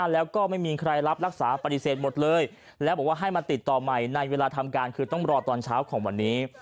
แล้วก็ไม่มีใครรับรักษาปฏิเสธหมดเลยแล้วบอกว่าให้มาติดต่อใหม่ในเวลาทำการคือต้องรอตอนเช้าของวันนี้